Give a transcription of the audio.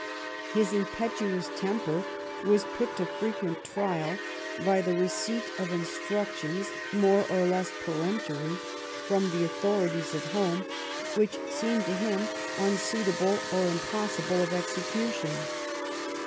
His impetuous temper was put to frequent trial by the receipt of instructions, more or less peremptory, from the authorities at home which seemed to him unsuitable or impossible of execution.